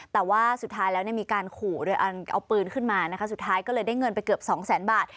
แต่ว่าสุดท้ายแล้วมีการขู่โดยเอาปืนขึ้นมานะคะสุดท้ายก็เลยได้เงินไปเกือบสองแสนบาท